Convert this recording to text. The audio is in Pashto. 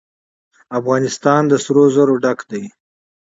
افغانستان له طلا ډک دی.